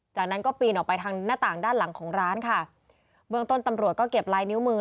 จากนั้นก็ปีนออกไปทางหน้าต่างด้านหลังของร้านค่ะเบื้องต้นตำรวจก็เก็บลายนิ้วมือ